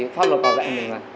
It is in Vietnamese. cái nào đấy